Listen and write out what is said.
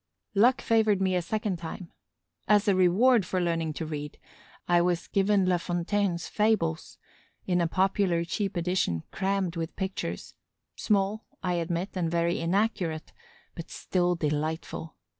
Luck favored me a second time. As a reward for learning to read, I was given La Fontaine's Fables, in a popular, cheap edition, crammed with pictures, small, I admit, and very inaccurate, but still delightful.